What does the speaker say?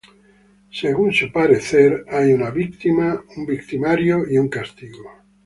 Según su parecer, "hay una víctima, hay un victimario y hay un castigo".